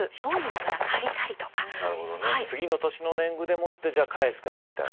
次の年の年貢でもって返すからみたいな。